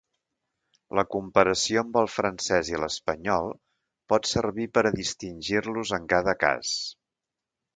La comparació amb el francès i l'espanyol pot servir per a distingir-los en cada cas.